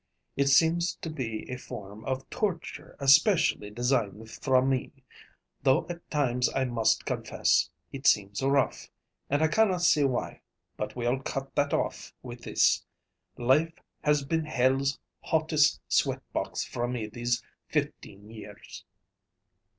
It seems to be a form of torture especially designed fra me, though at times I must confess, it seems rough, and I canna see why, but we'll cut that off with this: life has been Hell's hottest sweat box fra me these fifteen years."